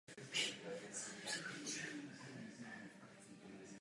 Osada Záboří má špatné napojení na dopravní síť.